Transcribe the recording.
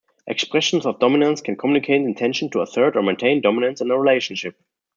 Expressions of dominance can communicate intention to assert or maintain dominance in a relationship.